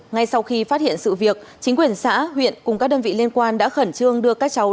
ngay sau khi phát hiện sự việc chính quyền xã huyện cùng các đơn vị liên quan đã khẩn trương đưa các cháu